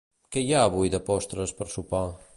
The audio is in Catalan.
Què hi ha avui de postres per sopar?